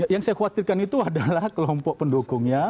yang saya khawatirkan itu adalah kelompok pendukungnya